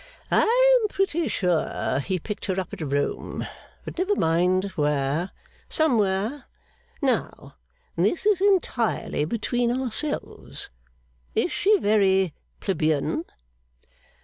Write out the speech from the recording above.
'I am pretty sure he picked her up at Rome; but never mind where somewhere. Now (this is entirely between ourselves), is she very plebeian?